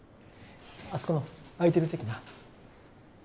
あそこの空いてる席な。